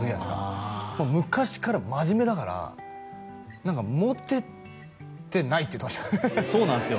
ああ昔から真面目だから何かモテてないって言ってましたそうなんすよ